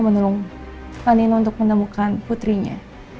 menolong paninu untuk menemukan putrinya